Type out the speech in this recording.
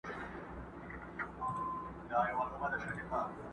مور هڅه کوي پرېکړه توجيه کړي خو مات زړه لري